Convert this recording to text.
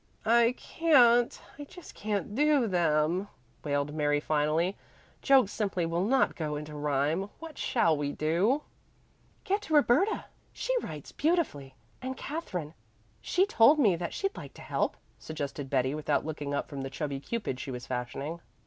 "I can't I just can't do them," wailed Mary finally. "Jokes simply will not go into rhyme. What shall we do?" "Get Roberta she writes beautifully and Katherine she told me that she'd like to help," suggested Betty, without looking up from the chubby cupid she was fashioning.